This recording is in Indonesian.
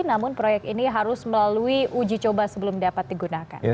namun proyek ini harus melalui uji coba sebelum dapat digunakan